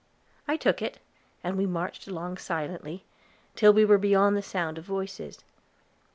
I took it, and we marched along silently, till we were beyond the sound of voices.